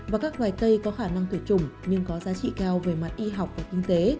và các loài cây có khả năng tuyệt chủng nhưng có giá trị cao về mặt y học và kinh tế